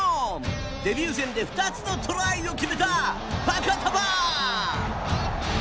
デビュー戦で２つのトライを決めたファカタヴァ。